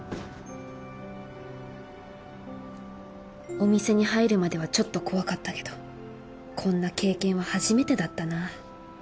お店に入るまではちょっと怖かったけどこんな経験は初めてだったな。